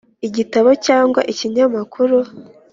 igitabo cyangwa ikinyamakuru.